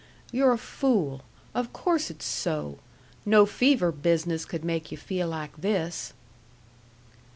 You're a fool. Of course it's so. No fever business could make yu' feel like this."